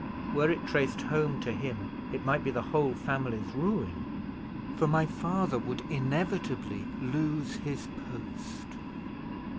"Were it traced home to him, it might be the whole family's ruin, for my father would inevitably lose his post.